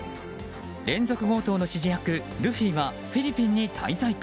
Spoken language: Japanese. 連続強盗の指示役ルフィはフィリピンに滞在か。